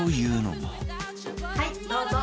はいどうぞ。